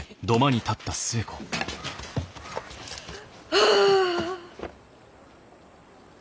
はあ。